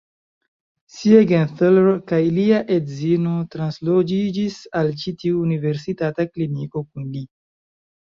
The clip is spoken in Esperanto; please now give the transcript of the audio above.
Siegenthaler kaj lia edzino transloĝiĝis al ĉi tiu universitata kliniko kun li.